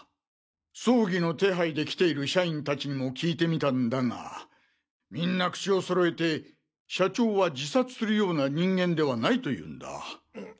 葬儀の手配で来ている社員達にも聞いてみたんだがみんな口をそろえて社長は自殺するような人間ではないと言うんだ。